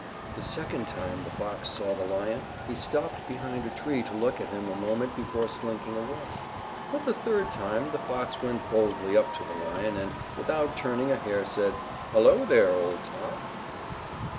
The second time the Fox saw the Lion he stopped behind a tree to look at him a moment before slinking away. But the third time, the Fox went boldly up to the Lion and, without turning a hair, said, "Hello, there, old top."